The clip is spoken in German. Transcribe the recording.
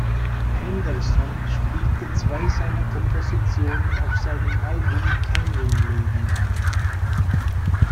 Henderson spielte zwei seiner Kompositionen auf seinem Album "Canyon Lady" ein.